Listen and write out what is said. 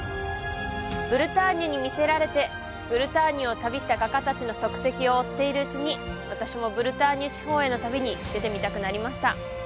ブルターニュに魅せられてブルターニュを旅した画家たちの足跡を追っているうちに私もブルターニュ地方への旅に出てみたくなりました